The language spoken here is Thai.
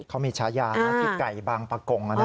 เขามีชายาที่ไก่บางประกง